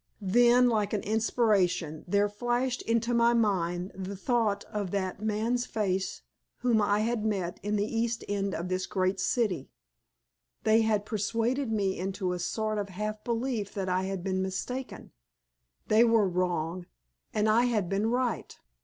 Then, like an inspiration, there flashed into my mind the thought of that man's face whom I had met in the East End of this great city. They had persuaded me into a sort of half belief that I had been mistaken. They were wrong, and I had been right!